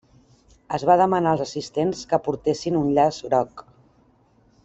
Es va demanar als assistents que portessin un llaç groc.